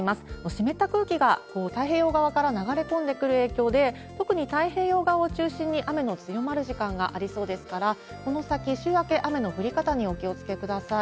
湿った空気が太平洋側から流れ込んでくる影響で、特に太平洋側を中心に雨の強まる時間がありそうですから、この先、週明け、雨の降り方にお気をつけください。